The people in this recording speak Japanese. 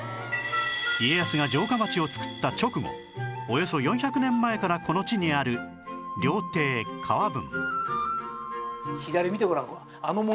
家康が城下町を作った直後およそ４００年前からこの地にある料亭河文